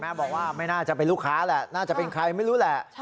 บอกว่าไม่น่าจะเป็นลูกค้าแหละน่าจะเป็นใครไม่รู้แหละ